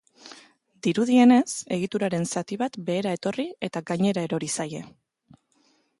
Dirudienez, egituraren zati bat behera etorri eta gainera erori zaie.